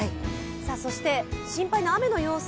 そして心配な雨の様子